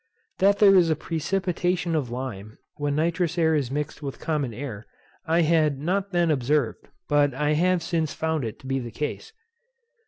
That there is a precipitation of lime when nitrous air is mixed with common air, I had not then observed, but I have since found it to be the case.